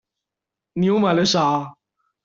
你又買了啥？